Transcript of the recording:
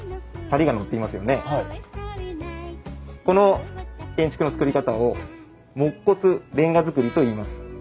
この建築の造り方を木骨煉瓦造りといいます。